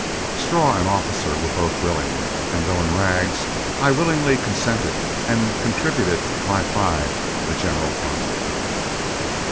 Straw and Officer were both willing, and though in rags, I willingly consented and contributed my five to the general fund.